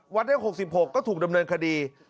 หวัดเรียงหกสิบหกก็ถูกดำเนินคดี